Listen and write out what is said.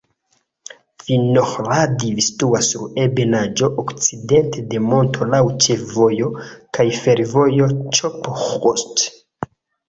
Vinohradiv situas sur ebenaĵo, okcidente de monto, laŭ ĉefvojo kaj fervojo Ĉop-Ĥust.